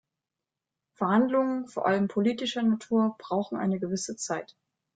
Verhandlungen, vor allem politischer Natur, brauchen eine gewisse Zeit.